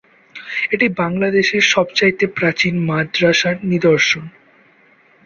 এটি বাংলাদেশের সবচাইতে প্রাচীন মাদ্রাসার নিদর্শন।